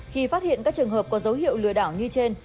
khi phát hiện các trường hợp có dấu hiệu lừa đảo như trên